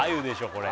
これ？